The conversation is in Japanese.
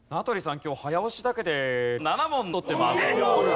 今日早押しだけで７問取ってます。